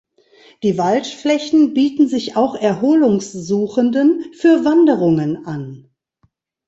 Die Waldflächen bieten sich auch Erholungssuchenden für Wanderungen an.